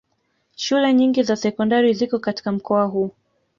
Shule nyingi za sekondari ziko katika mkoa huu